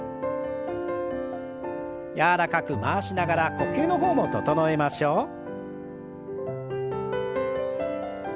柔らかく回しながら呼吸の方も整えましょう。